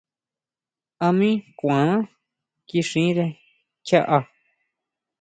A mí kʼuaná kixire kjiaʼá.